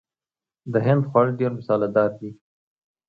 د هند خواړه ډیر مساله دار دي.